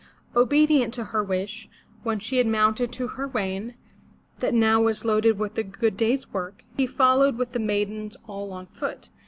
Obedient to her wish, when she had mounted to her wain, that now was loaded with the good day's work, he followed with the maidens all on foot.